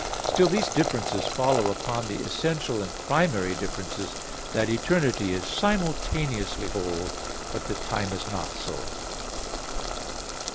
Still these differences follow upon the essential and primary differences, that eternity is simultaneously whole, but that time is not so.